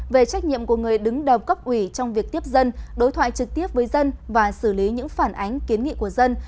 về trách nhiệm của người đứng đầu cấp ủy trong việc tiếp dân đối thoại trực tiếp với dân và xử lý những phản ánh kiến nghị của dân